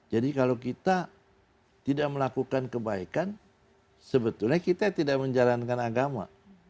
jadi kalau kita tidak melakukan kebaikan sebetulnya kita tidak menjalankan agama